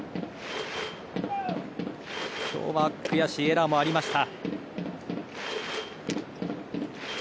今日は悔しいエラーもありました。